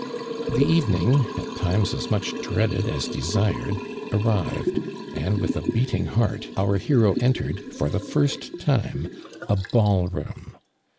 The evening, at times as much dreaded ns desired, arrived, and with a beating heart, our hero entered, for tlie first time, a ball loom.